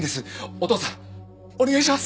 お義父さんお願いします。